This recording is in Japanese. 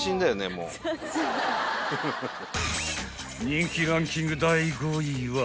［人気ランキング第５位は］